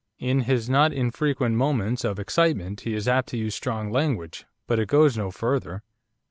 In his not infrequent moments of excitement he is apt to use strong language, but it goes no further.